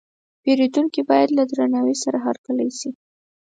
پیرودونکی باید له درناوي سره هرکلی شي.